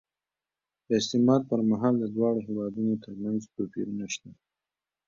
د استعمار پر مهال د دواړو هېوادونو ترمنځ توپیرونه شته.